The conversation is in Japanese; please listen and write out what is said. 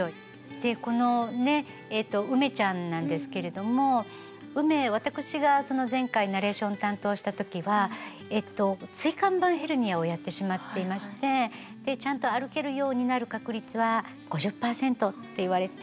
でこのうめちゃんなんですけれどもうめ私が前回ナレーションを担当した時は椎間板ヘルニアをやってしまっていましてでちゃんと歩けるようになる確率は５０％って言われて。